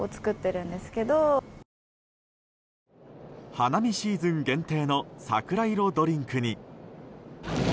花見シーズン限定の桜色ドリンクに。